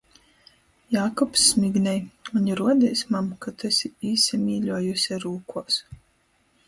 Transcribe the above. Jākubs smignej: Maņ ruodīs, mam, ka tu esi īsamīļuojuse rūkuos!